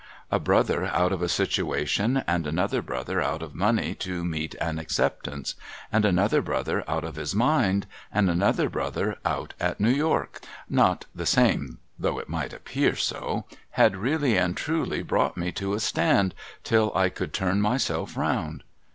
A brother out of a situation, and another brother out of money to meet an acceptance, and another brother out of his mind, and another brother out at New York (not the same, though it might appear so), had really and truly brought me to a stand till I could turn myself round.